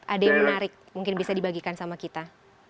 ada yang menarik mungkin bisa dibagikan sama kita